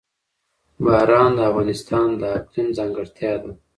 باران د افغانستان د اقلیم ځانګړتیا ده.